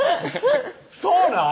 そうなん？